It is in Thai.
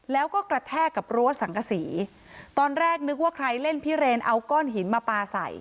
แล้วก็กระแทกกับรั้วสังกษีตอนแรกนึกว่าใครเล่นพิเรนเอาก้อนหินมาปลาใส่